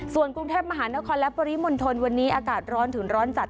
ส่วนกรุงเทพมหานครและปริมณฑลวันนี้อากาศร้อนถึงร้อนจัด